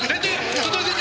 外に出て！